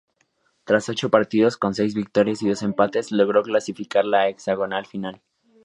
Tras ocho partidos, con seis victorias y dos empates, logró clasificar al hexagonal final.